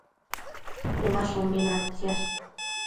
Temashumbi naidtsiash